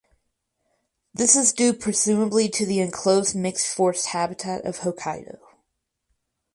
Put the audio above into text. This is due presumably to the enclosed mixed forest habitat of Hokkaido.